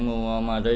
vui là don team